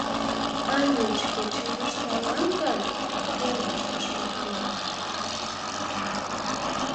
— А мин шке чывышталам гын? — пелештыш Мухамат.